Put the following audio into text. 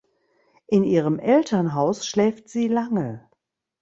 In ihrem Elternhaus schläft sie lange.